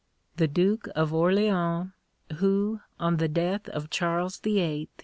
The Duke of Orleans, who, on the death of Charles VIII.